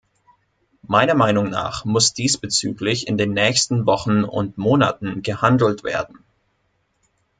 Meiner Meinung nach muss diesbezüglich in den nächsten Wochen und Monaten gehandelt werden.